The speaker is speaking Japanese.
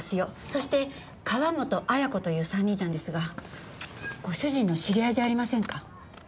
そして川本綾子という３人なんですがご主人の知り合いじゃありませんか？